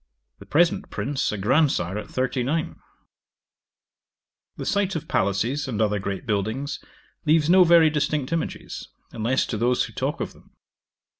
The present Prince a grandsire at thirty nine. 'The sight of palaces, and other great buildings, leaves no very distinct images, unless to those who talk of them.